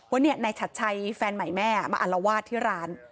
ว่านายชัดชัยแฟนใหม่แม่มาอัลวาดที่ร้าน